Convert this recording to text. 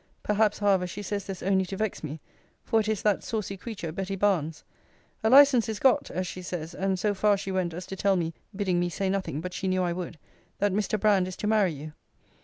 Perhaps, however, she says this only to vex me; for it is that saucy creature Betty Barnes. A license is got, as she says: and so far she went as to tell me (bidding me say nothing, but she knew I would) that Mr. Brand is to marry you.